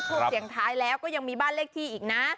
เสียงท้ายแล้วก็ยังมีบ้านเลขที่อีกนะ